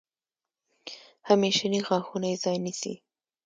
همیشني غاښونه یې ځای نیسي.